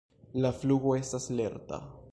La flugo estas lerta.